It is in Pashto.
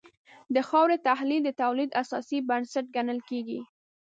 د خاورې تحلیل د تولید اساسي بنسټ ګڼل کېږي.